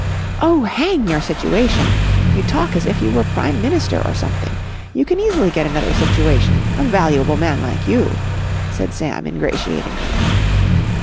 "Oh, hang your situation! You talk as if you were Prime Minister or something. You can easily get another situation. A valuable man like you," said Sam ingratiatingly.